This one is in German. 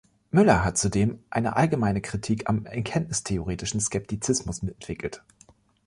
Müller hat zudem eine allgemeine Kritik am erkenntnistheoretischen Skeptizismus entwickelt.